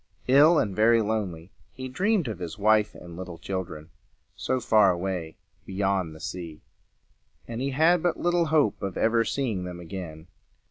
Ill and very lonely, he dreamed of his wife and little children so far away beyond the sea; and he had but little hope of ever seeing them again.